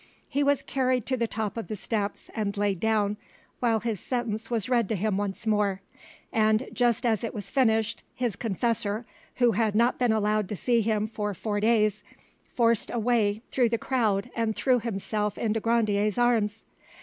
He was carried to the top of the steps and laid down, while his sentence was read to him once more, and just as it was finished, his confessor, who had not been allowed to see him for four days, forced a way through the crowd and threw himself into Grandier's arms.